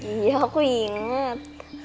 iya aku inget